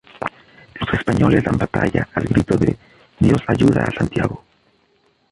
Los españoles dan batalla al grito de "¡Dios ayuda a Santiago!